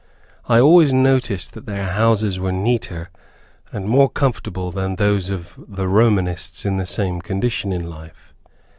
I always noticed that their houses were neater, and more comfortable than those of the Romanists in the same condition in life.